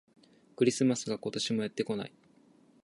クリスマスが、今年もやってこない